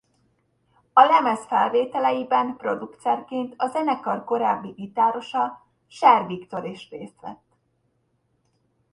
A lemez felvételeiben producerként a zenekar korábbi gitárosa Scheer Viktor is részt vett.